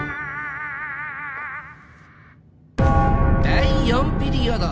第４ピリオド。